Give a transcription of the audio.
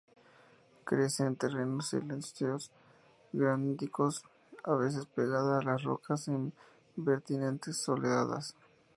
Crece en terrenos silíceos, graníticos, a veces pegada a las rocas, en vertientes soleadas.